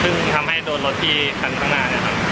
ซึ่งทำให้โดนรถที่ทั้งหน้า